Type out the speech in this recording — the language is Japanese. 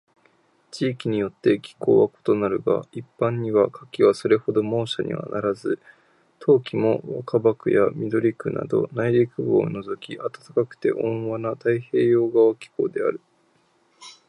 地域によって気候は異なるが、一般には夏季はそれほど猛暑にはならず、冬季も若葉区や緑区など内陸部を除き暖かくて温和な太平洋側気候である。